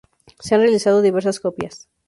Se han realizado diversas copias.